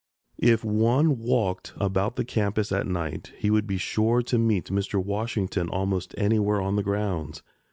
If one walked about the campus at night, he would be sure to meet Mr. Washington almost anywhere on the grounds.